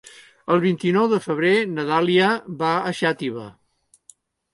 El vint-i-nou de febrer na Dàlia va a Xàtiva.